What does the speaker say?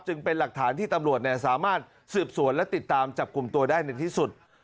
เป็นหลักฐานที่ตำรวจสามารถสืบสวนและติดตามจับกลุ่มตัวได้ในที่สุด